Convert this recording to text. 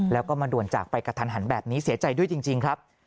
แล้วก็มาด่วนจากไปกระทันหันแบบนี้เสียใจด้วยจริงครับ